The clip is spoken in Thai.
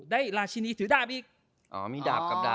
ได้ราชินีถือดาบอีก